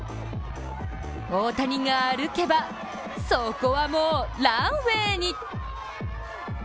大谷が歩けばそこはもうランウェーに。